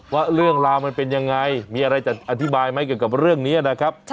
ว่าเรื่องราวมันเป็นยังไงมีอะไรจะอธิบายไหมเกี่ยวกับเรื่องนี้นะครับ